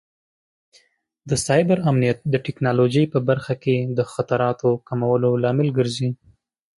د سایبر امنیت د ټکنالوژۍ په برخه کې د خطراتو کمولو لامل ګرځي.